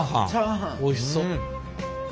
おいしそう。